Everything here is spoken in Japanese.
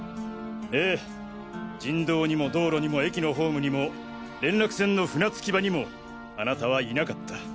ええ人道にも道路にも駅のホームにも連絡船の船着き場にもあなたはいなかった。